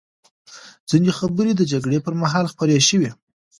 ځینې خبرې د جګړې پر مهال خپرې شوې.